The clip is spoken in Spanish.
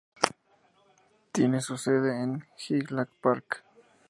Tiene su sede en Highland Park.